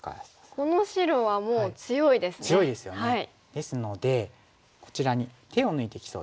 ですのでこちらに手を抜いてきそうですね。